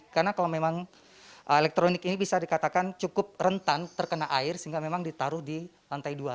karena kalau memang elektronik ini bisa dikatakan cukup rentan terkena air sehingga memang ditaruh di lantai dua